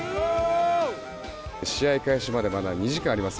試合開始までまだ２時間あります。